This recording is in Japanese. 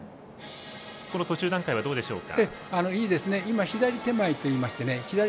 途中段階はどうでしょうか？